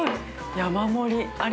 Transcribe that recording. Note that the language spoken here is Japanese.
山盛り。